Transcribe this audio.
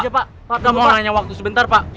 pak mohon nanya waktu sebentar pak